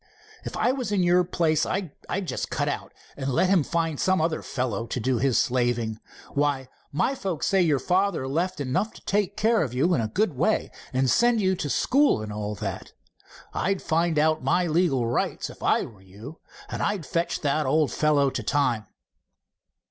"If I was in your place I'd just cut out, and let him find some other fellow to do his slaving. Why, my folks say your father left enough to take care of you in a good way. And send you to school, and all that. I'd find out my legal rights, if I were you, and I'd fetch that old fellow to time."